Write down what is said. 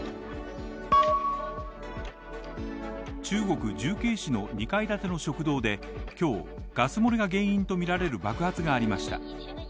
中国・重慶市の２階建ての食堂で、今日、ガス漏れが原因とみられる爆発がありました。